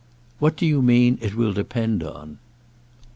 "What do you mean it will depend on?"